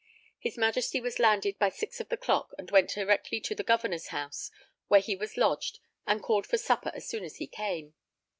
His Majesty was landed by six of the clock and went directly to the Governor's house, where he was lodged, and called for supper as soon as he came.